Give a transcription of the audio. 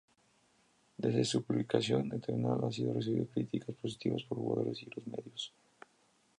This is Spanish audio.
Desde su publicación, Eternal ha recibido críticas positivas por jugadores y los medios.